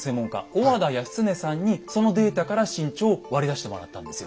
小和田泰経さんにそのデータから身長を割り出してもらったんですよ。